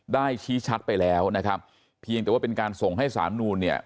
ชี้ชัดไปแล้วนะครับเพียงแต่ว่าเป็นการส่งให้สารนูลเนี่ย